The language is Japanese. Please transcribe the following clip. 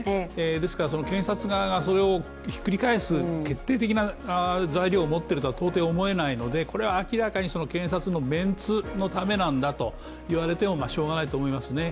ですから検察側がそれをひっくり返す、決定的な材料を持っていると到底思えないのでこれは明らかに検察のメンツのためなんだと言われても、しようがないと思いますね。